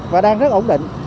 và đang rất ổn định